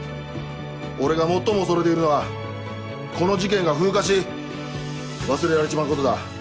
俺が最も恐れているのはこの事件が風化し忘れられちまうことだ。